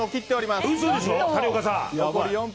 谷岡さん。